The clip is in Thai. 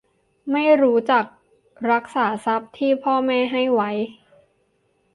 ไม่รู้จักรักษาทรัพย์ที่พ่อแม่ให้ไว้